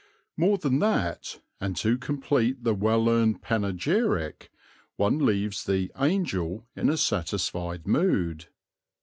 More than that, and to complete the well earned panegyric, one leaves the "Angel" in a satisfied mood.